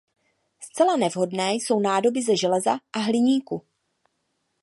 Zcela nevhodné jsou nádoby ze železa a hliníku.